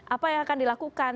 apa yang akan dilakukan